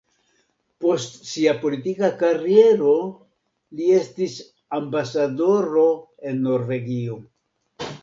Post sia politika kariero li estis ambasadoro en Norvegio.